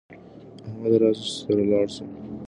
احمده راسه چې سره لاړ سو